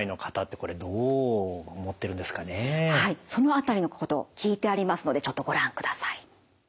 はいその辺りのこと聞いてありますのでちょっとご覧ください。